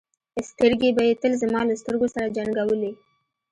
سترګې به یې تل زما له سترګو سره جنګولې.